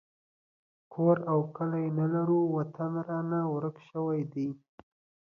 کور او کلی نه لرو وطن رانه ورک شوی دی